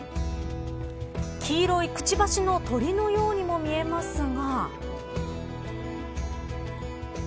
黄色いくちばしの鳥のようにも見えますが。